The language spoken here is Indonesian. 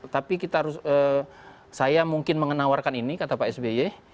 tapi saya mungkin menawarkan ini kata pak sby